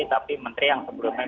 tapi menteri yang sebelumnya